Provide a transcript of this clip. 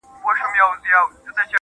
گراني ددې وطن په ورځ كي توره شپـه راځي.